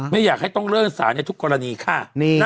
ไม่อยากให้ต้องเลิกสารในทุกกรณีค่ะ